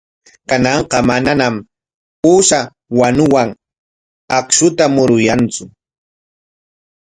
Kananqa manañam uusha wanuwan akshuta muruyantsu.